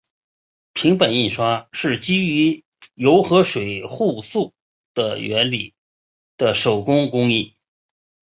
平版印刷是基于油和水互斥的原理的手动工艺。